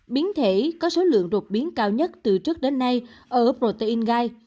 biến thể có số lượng đột biến cao nhất từ trước đến nay ở protein gai